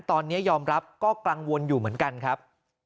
ตอนนี้ยอมรับก็กังวลอยู่เหมือนกันครับ